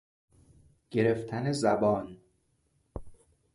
گرفتن زبان